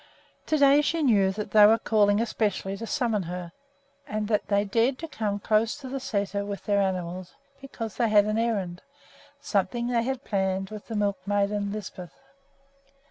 To day she knew that they were calling especially to summon her, and that they dared to come close to the sæter with their animals because they had an errand, something that they had planned with the milkmaid and Lisbeth.